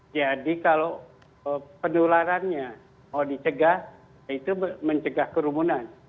jadi kalau penularannya mau dicegah itu mencegah kerumunan